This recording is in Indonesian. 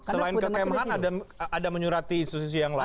selain ke kemenkopol hukum han ada menyurati institusi yang lain